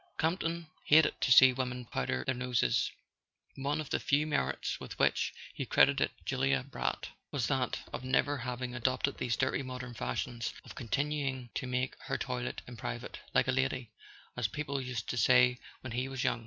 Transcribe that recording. Campton hated to see women powder their noses —one of the few merits with which he credited Julia Brant was that of never having adopted these dirty modern fashions, of continuing to make her toilet in private "like a lady," as people used to say when he was young.